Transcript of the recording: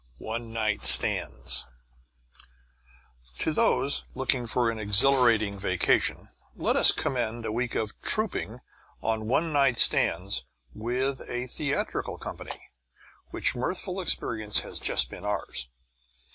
ONE NIGHT STANDS To those looking for an exhilarating vacation let us commend a week of "trouping" on one night stands with a theatrical company, which mirthful experience has just been ours.